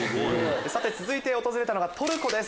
続いて訪れたのがトルコです